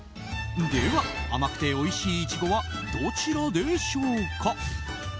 では、甘くておいしいイチゴはどちらでしょうか？